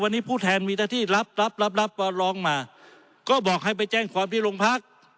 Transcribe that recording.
วันนี้ผู้แทนมีหน้าที่รับรับรับก็ร้องมาก็บอกให้ไปแจ้งความที่โรงพัก